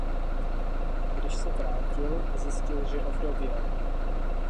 Když se vrátil zjistil že ovdověl.